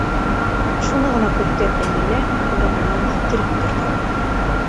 Шуны ғына көткән Әмилә урынынан һикереп торҙо: